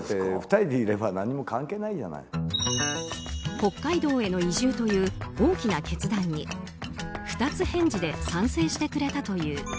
北海道への移住という大きな決断に二つ返事で賛成してくれたという。